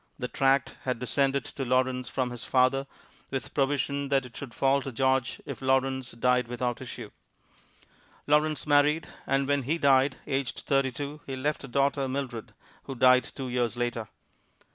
The tract had descended to Lawrence from his father, with provision that it should fall to George if Lawrence died without issue. Lawrence married, and when he died, aged thirty two, he left a daughter, Mildred, who died two years later.